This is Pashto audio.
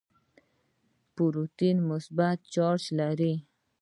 پروټون مثبت چارج لري.